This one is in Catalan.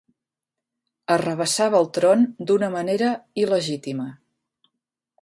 Arrabassava el tron d'una manera il·legítima.